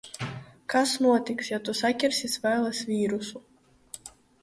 Kas notiks, ja tu saķersi Svēles vīrusu?